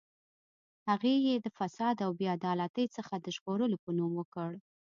هغه یې د فساد او بې عدالتۍ څخه د ژغورلو په نوم وکړ.